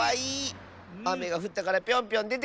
あめがふったからピョンピョンでてきたのかな。